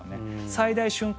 最大瞬間